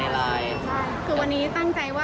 อาสาสจบแล้วค่ะมันไม่อยู่ในช่วงปมตายก็รับได้